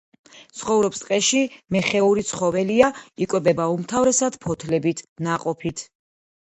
ცხოვრობს ტყეში, მეხეური ცხოველია, იკვებება უმთავრესად ფოთლებით, ნაყოფით.